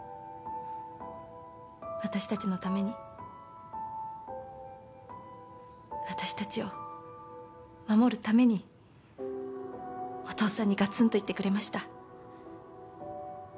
私たちのために私たちを守るためにお父さんにガツンと言ってくれました。